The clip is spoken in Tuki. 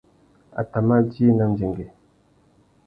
A tà mà djï nà ndzengüê.